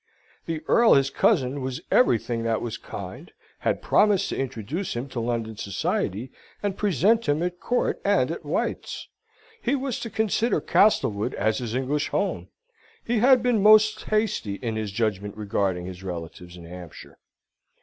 The Earl his cousin was everything that was kind, had promised to introduce him to London society, and present him at Court, and at White's. He was to consider Castlewood as his English home. He had been most hasty in his judgment regarding his relatives in Hampshire.